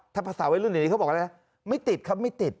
ถ้าภาษาไว้รุ่นเดี๋ยวนี้เขาบอกว่าอะไรไม่ติดครับไม่ติด